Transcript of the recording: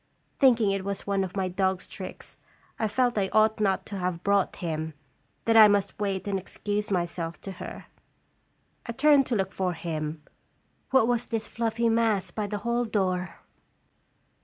Think ing it was one of my dog's tricks, I felt I ought not to have brought him, that I must wait and excuse myself to her. I turned to look for him. What was this fluffy mass by the hall door